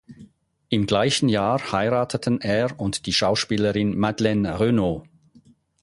Im gleichen Jahr heirateten er und die Schauspielerin Madeleine Renaud.